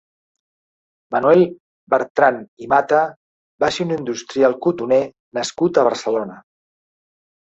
Manuel Bertrand i Mata va ser un industrial cotoner nascut a Barcelona.